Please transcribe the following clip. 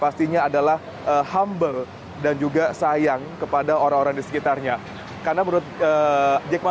pastinya adalah humble dan juga sayang kepada orang orang di sekitarnya karena menurut jackman